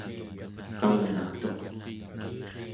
kalngagtuq